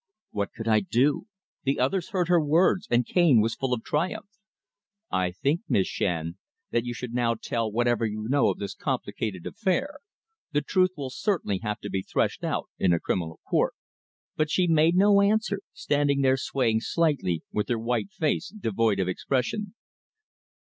What could I do? The others heard her words, and Cane was full of triumph. "I think, Miss Shand, that you should now tell whatever you know of this complicated affair. The truth will certainly have to be threshed out in a criminal court." But she made no answer, standing there, swaying slightly, with her white face devoid of expression.